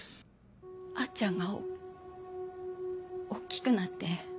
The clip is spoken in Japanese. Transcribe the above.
あっちゃんが大っきくなって。